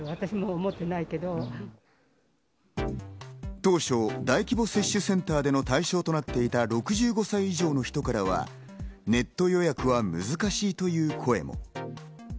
当初、大規模接種センターの対象となっていた６５歳上の人からはネット予約は難しいという声も。